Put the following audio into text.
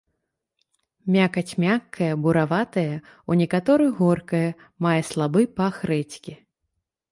Мякаць мяккая, бураватая, у некаторых горкая, мае слабы пах рэдзькі.